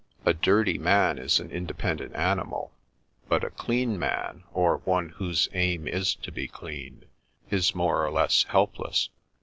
" A dirty man is an independent animal, but a clean man, or one whose aim is to be clean, is more or less help less.